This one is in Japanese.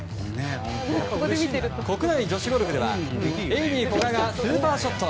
国内女子ゴルフではエイミー・コガがスーパーショット。